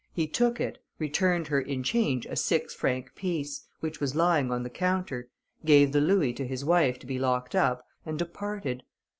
He took it, returned her in change a six franc piece, which was lying on the counter, gave the louis to his wife to be locked up, and departed.